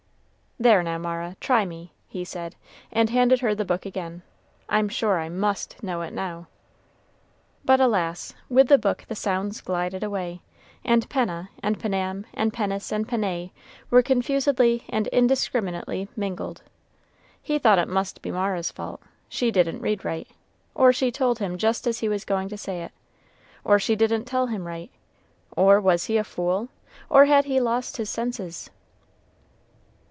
"There now, Mara, try me," he said, and handed her the book again; "I'm sure I must know it now." But, alas! with the book the sounds glided away; and "penna" and "pennam" and "pennis" and "pennæ" were confusedly and indiscriminately mingled. He thought it must be Mara's fault; she didn't read right, or she told him just as he was going to say it, or she didn't tell him right; or was he a fool? or had he lost his senses?